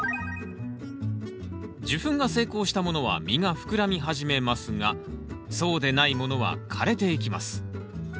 授粉が成功したものは実が膨らみ始めますがそうでないものは枯れていきます。